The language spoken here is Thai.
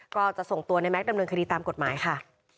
ก็จะส่งตัวในแก๊กดำเนินคดีตามกฎหมายค่ะ